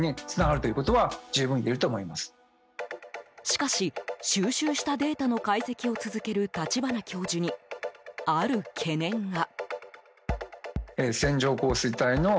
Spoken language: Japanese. しかし、収集したデータの解析を続ける立花教授にある懸念が。